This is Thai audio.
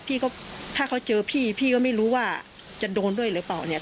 พี่ก็ถ้าเขาเจอพี่พี่ก็ไม่รู้ว่าจะโดนด้วยหรือเปล่าเนี่ย